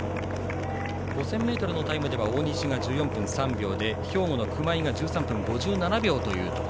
５０００ｍのタイムでは大西が１４分３秒で兵庫の熊井が１３分５７秒というところ。